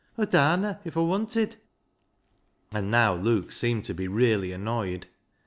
Aw darna if Aw wanted. And now Luke seemed to be really annoyed.